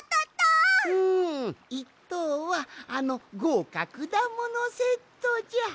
うん１とうはあのごうかくだものセットじゃ。